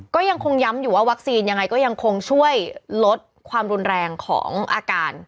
ก็ยังคงย้ำอยู่ว่าวัคซีนยังไงก็ยังคงช่วยลดความรุนแรงของอาการ